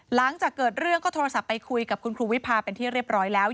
หลังจากเกิดเรื่องก็โทรศัพท์ไปคุยกับคุณครูวิพาเป็นที่เรียบร้อยแล้ว